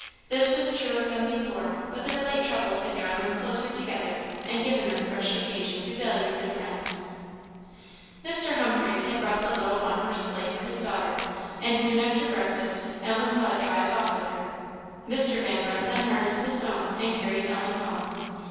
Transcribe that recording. This was true of them before; but their late troubles had drawn them closer together, and given them fresh occasion to value their friends. Mr. Humphreys had brought the little one horse sleigh for his daughter, and, soon after breakfast, Ellen saw it drive off with her. Mr. Van Brunt then harnessed his own and carried Ellen home.